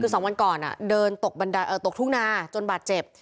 คือสองวันก่อนอ่ะเดินตกบรรดาเอ่อตกทุกนาจนบาดเจ็บ